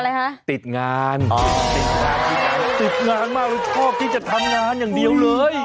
อะไรฮะติดงานอ๋อติดงานติดใจติดงานมากเลยชอบที่จะทำงานอย่างเดียวเลย